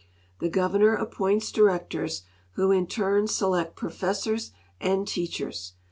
The governor appoints directors, who in turn select professors and teachers.